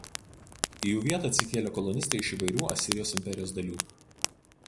Į jų vietą atsikėlė kolonistai iš įvairių Asirijos imperijos dalių.